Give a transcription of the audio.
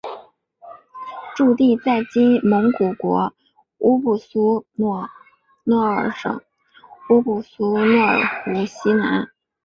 驻地在今蒙古国乌布苏诺尔省乌布苏诺尔湖西南。